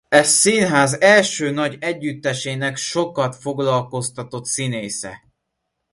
E színház első nagy együttesének sokat foglalkoztatott színésze.